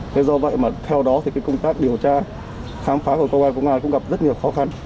thế do vậy mà theo đó thì công tác điều tra khám phá của công an cũng gặp rất nhiều khó khăn